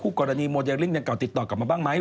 กรณีโมเดลลิ่งดังกล่าติดต่อกลับมาบ้างไหม